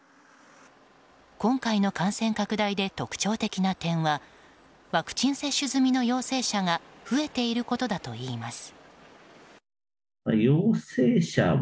今回の感染拡大で特徴的な点はワクチン接種済みの陽性者が増えていることだといいます。